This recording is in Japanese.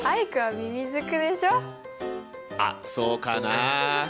あっそうかな。